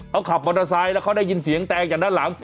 เขาขับมอเตอร์ไซค์แล้วเขาได้ยินเสียงแตงจากด้านหลัง